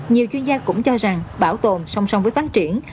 nhiều chuyên gia cũng cho rằng bảo tồn song song với phát triển